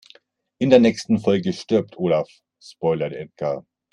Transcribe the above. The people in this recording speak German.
In der nächsten Folge stirbt Olaf, spoilert Edgar.